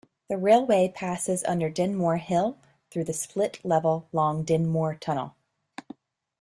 The railway passes under Dinmore Hill through the split-level long Dinmore Tunnel.